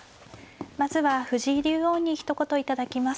まずは藤井竜王にひと言頂きます。